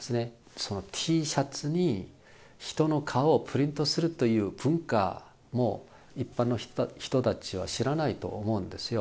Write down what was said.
そのＴシャツに人の顔をプリントするという文化も一般の人たちは知らないと思うんですよ。